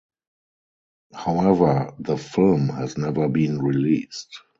However, the film has never been released.